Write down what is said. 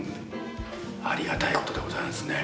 ありがたいことでございますね。